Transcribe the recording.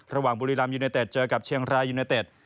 บุรีรัมยูเนเต็ดเจอกับเชียงรายยูเนเต็ด